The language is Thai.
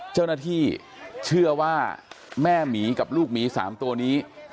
เจ้าหน้าที่เชื่อว่าแม่หมีกับลูกหมี๓ตัวนี้